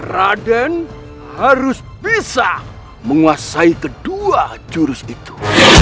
raden harus bisa menguasai kedua jurus itu